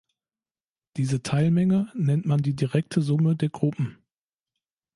Diese Teilmenge nennt man die direkte Summe der Gruppen.